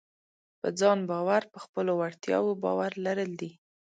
په ځان باور په خپلو وړتیاوو باور لرل دي.